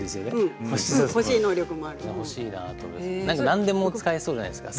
何でも使えそうじゃないですか。